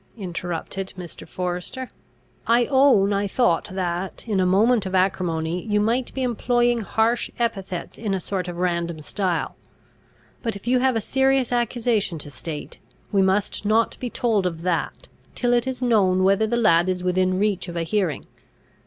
interrupted Mr. Forester. "I own I thought that, in a moment of acrimony, you might be employing harsh epithets in a sort of random style. But if you have a serious accusation to state, we must not be told of that, till it is known whether the lad is within reach of a hearing.